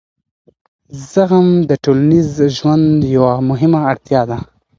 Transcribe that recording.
زغم د ټولنیز ژوند یوه مهمه اړتیا ده.